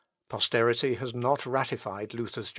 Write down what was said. Posterity has not ratified Luther's judgment.